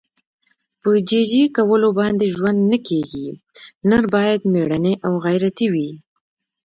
په جي جي کولو باندې ژوند نه کېږي. نر باید مېړنی او غیرتي وي.